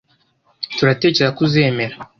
Turatekereza ko uzemera